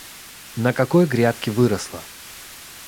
на какой грядке выросла.